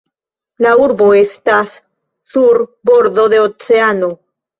La urbo estas sur bordo de oceano.